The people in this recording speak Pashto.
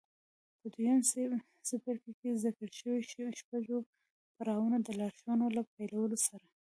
په دويم څپرکي کې د ذکر شويو شپږو پړاوونو د لارښوونو له پيلولو سره.